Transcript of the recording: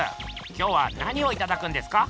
今日は何をいただくんですか？